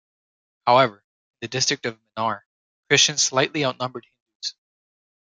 However, in the district of Mannar, Christians slightly outnumber Hindus.